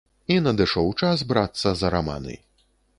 І надышоў час брацца за раманы!